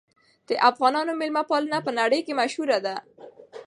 د افغانانو مېلمه پالنه په نړۍ کې مشهوره ده.